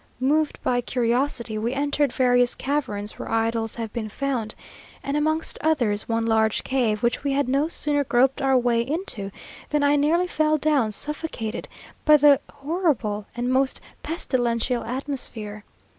Moved by curiosity, we entered various caverns where idols have been found, and amongst others one large cave, which we had no sooner groped our way into than I nearly fell down suffocated by the horrible and most pestilential atmosphere.